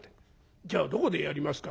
『じゃあどこでやりますか？』